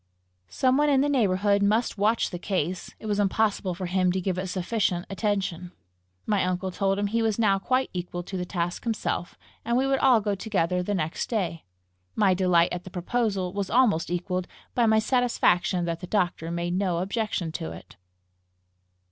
Some one in the neighbourhood must watch the case; it was impossible for him to give it sufficient attention. My uncle told him he was now quite equal to the task himself, and we would all go together the next day. My delight at the proposal was almost equalled by my satisfaction that the doctor made no objection to it.